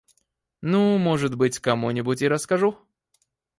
Ну, может быть кому-нибудь и расскажу.